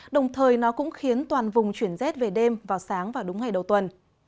đồng thời nó cũng khiến toàn vùng chuyển rét về đêm vào sáng và đúng ngày đầu tuần